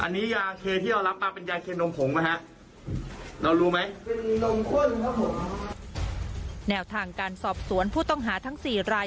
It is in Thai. แนวทางการสอบสวนผู้ต้องหาทั้ง๔ราย